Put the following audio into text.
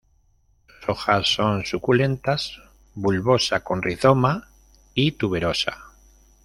Sus hojas son suculentas, bulbosa con rizoma y tuberosa.